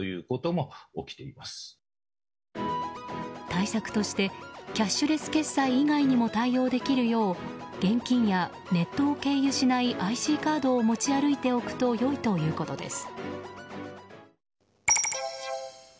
対策としてキャッシュレス決済以外にも対応できるよう現金やネットを経由しないＩＣカードを持ち歩いておくと良いということです。